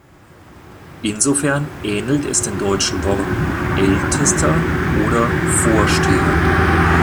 Insofern ähnelt es den deutschen Worten "Ältester" oder "Vorsteher".